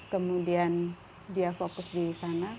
kemudian dia fokus di sana